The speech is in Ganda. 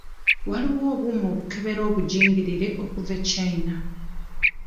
Waliwo obuuma obukebera obugingirire okuva e China.